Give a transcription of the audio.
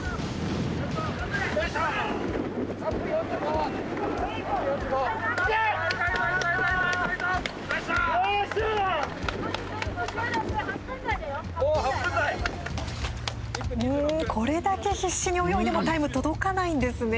うーん、これだけ必死に泳いでもタイム届かないんですね。